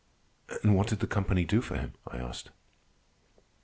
"And what did the company do for him?" I asked.